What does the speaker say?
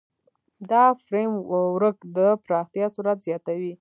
دا فریم ورک د پراختیا سرعت زیاتوي.